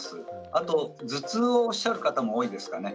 あと頭痛をおっしゃる方も多いですかね。